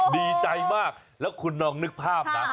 ดีใจมากแล้วคุณลองนึกภาพนะ